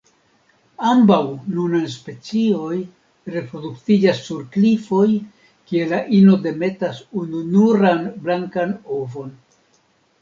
Ambaŭ nunaj specioj reproduktiĝas sur klifoj, kie la ino demetas ununuran blankan ovon.